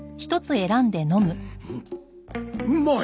うまい！